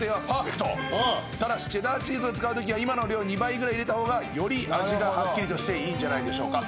ただしチェダーチーズを使うときは今の量２倍ぐらい入れた方がより味がはっきりとしていいんじゃないでしょうかと。